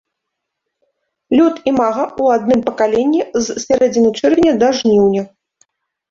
Лёт імага ў адным пакаленні з сярэдзіны чэрвеня да жніўня.